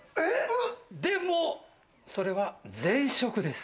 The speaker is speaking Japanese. でもそれは前職です。